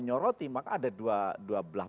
menyoroti maka ada dua belah